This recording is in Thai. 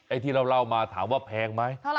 ไอที่เราเล่ามาถามว่าแพงมั้ย